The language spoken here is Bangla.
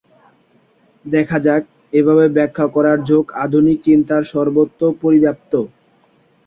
দেখা যায়, এভাবে ব্যাখ্যা করার ঝোঁক আধুনিক চিন্তার সর্বত্র পরিব্যাপ্ত।